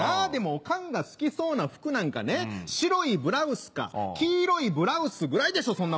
でもオカンが好きそうな服なんかね白いブラウスか黄色いブラウスぐらいでしょ